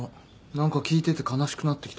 何か聞いてて悲しくなってきた。